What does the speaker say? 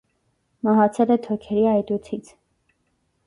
Մահացել է թոքերի այտուցից։